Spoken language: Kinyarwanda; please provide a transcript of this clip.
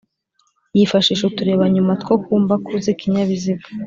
yifashisha uturebanyuma two kumbaku z’ikinyabiziga